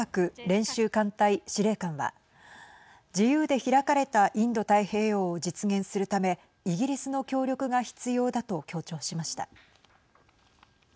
練習艦隊司令官は自由で開かれたインド太平洋を実現するためイギリスの協力が必要だと強調しました。